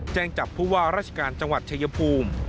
แจ้งจับผู้ว่าราชการจังหวัดชายภูมิ